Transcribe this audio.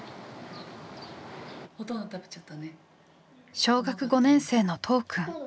小学５年生の都央くん。